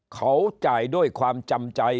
เขาจ่ายด้วยความจำใจ